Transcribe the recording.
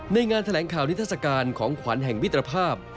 งานแถลงข่าวนิทัศกาลของขวัญแห่งมิตรภาพ